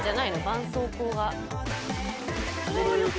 ばんそうこう。